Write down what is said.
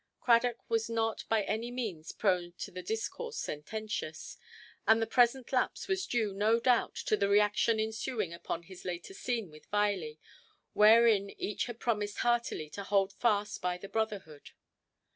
Cradock was not by any means prone to the discourse sententious; and the present lapse was due, no doubt, to the reaction ensuing upon his later scene with Viley, wherein each had promised heartily to hold fast by the brotherhood.